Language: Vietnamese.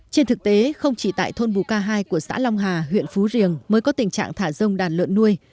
trên thực tế không chỉ tại thôn bù ca hai của xã long hà huyện phú riềng mới có tình trạng thả rông đàn lợn nuôi